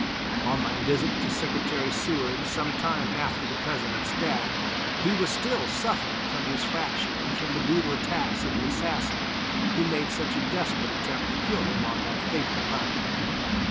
On my visit to Secretary Seward some time after the President's death, he was still suffering from his fracture and from the brutal attacks of the assassin, who made such a desperate attempt to kill him on that fatal night.